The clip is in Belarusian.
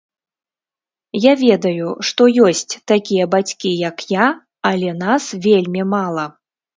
Я ведаю, што ёсць такія бацькі, як я, але нас вельмі мала.